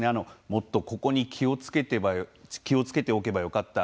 もっとここに気をつけておけばよかった。